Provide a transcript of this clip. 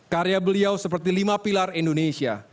karya beliau seperti lima pilar indonesia